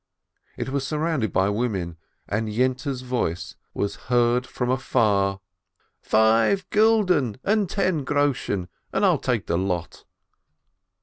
It was surrounded by women, and Yente's voice was heard from afar: "Five gulden and ten groschen, and I'll take the lot